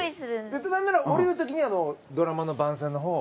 なんなら下りる時にドラマの番宣の方を。